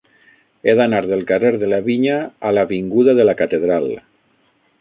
He d'anar del carrer de la Vinya a l'avinguda de la Catedral.